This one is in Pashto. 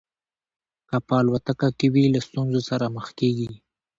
که په الوتکه کې وي له ستونزو سره مخ کېږي.